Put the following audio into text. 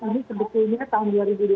ini sebetulnya tahun dua ribu dua puluh